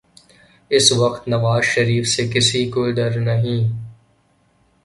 اس وقت نواز شریف سے کسی کو ڈر نہیں۔